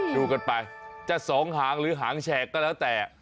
ดูกันไปจะสองหางหรือหางแฉกก็แล้วแต่